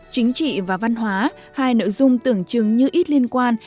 chính trị và văn hóa hai nội dung tưởng chứng như ít liên quan